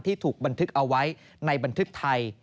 ถูกบันทึกเอาไว้ในบันทึกไทย